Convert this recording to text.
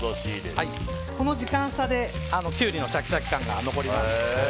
この時間差で、キュウリのシャキシャキ感が残ります。